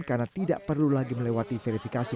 karena tidak perlu lagi melewati verifikasi